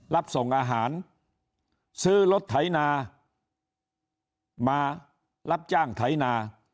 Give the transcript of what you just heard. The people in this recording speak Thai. รับส่งอาหารซื้อรถไถนามารับจ้างไถนา